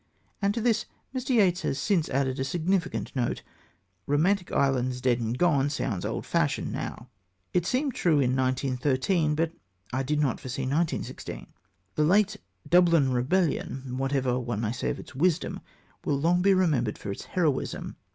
And to this Mr. Yeats has since added a significant note: "Romantic Ireland's dead and gone" sounds old fashioned now. It seemed true in 1913, but I did not foresee 1916. The late Dublin Rebellion, whatever one may say of its wisdom, will long be remembered for its heroism.